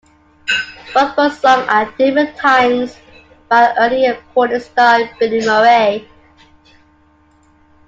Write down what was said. Both were sung at different times by early recording star Billy Murray.